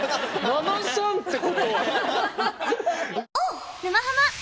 ７３ってことは！